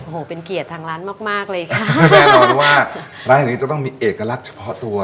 โอโหเป็นเกลียจทางร้านมากเลยค่ะแน่นอนว่าร้านอิตาเลียนต้องมีเอกลักษณ์เฉพาะตัว